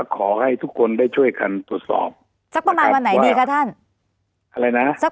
คุณซัมภัณฑ์ต้องค่ำใจเย็นนิดหนึ่งนะครับ